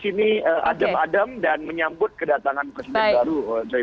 jadi relatif di sini adem adem dan menyambut kedatangan presiden baru jory biden ya